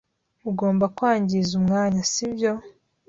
Ugomba kwangiza umwanya, sibyo?